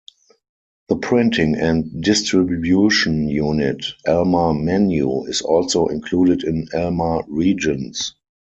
The printing and distribution unit Alma Manu is also included in Alma Regions.